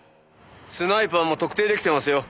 スナイパーも特定できてますよ。